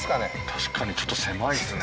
確かにちょっと狭いですね